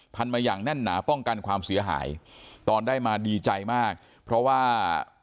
มาอย่างแน่นหนาป้องกันความเสียหายตอนได้มาดีใจมากเพราะว่า